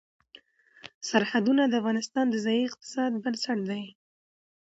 سرحدونه د افغانستان د ځایي اقتصادونو بنسټ دی.